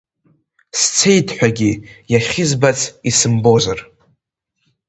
Сцеит ҳәагьы, иахьызбац исымбозар.